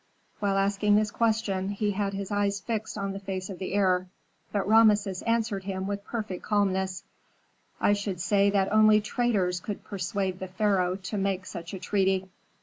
While asking this question, he had his eyes fixed on the face of the heir. But Rameses answered him with perfect calmness, "I should say that only traitors could persuade the pharaoh to make such a treaty."